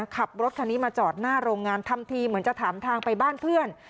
ขับรถคันนี้มาจอดหน้าโรงงานทำทีเหมือนจะถามทางไปบ้านเพื่อน